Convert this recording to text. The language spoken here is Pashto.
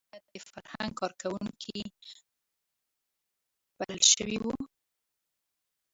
د هرات ولایت د فرهنګ کار کوونکي بلل شوي وو.